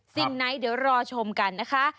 สิ่งไหนเดี๋ยวรอชมกันนะคะ